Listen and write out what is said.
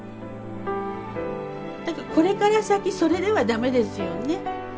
これから先それでは駄目ですよね。